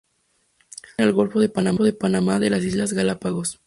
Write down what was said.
Se encuentra en el Golfo de Panamá y las Islas Galápagos.